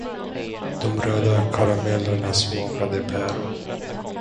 De röda karamellerna smakade päron.